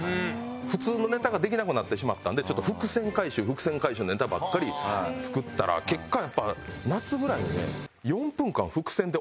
普通のネタができなくなってしまったんでちょっと伏線回収伏線回収のネタばっかり作ったら結果やっぱ。